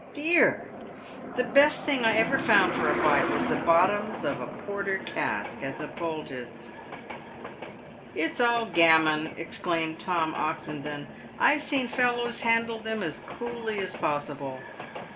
dear ! The best thing I ever found for a bite was the bottoms of a porter cask as a poultice." "It's all gammon," exclaimed Tom Oxendon. " I've seen fellows handle them as coolly as possible."